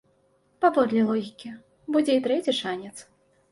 Паводле логікі, будзе і трэці шанец.